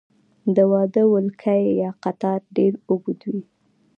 د واده ولکۍ یا قطار ډیر اوږد وي.